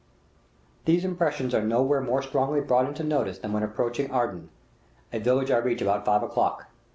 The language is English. These impressions are nowhere more strongly brought into notice than when approaching Aradan, a village I reach about five o'clock.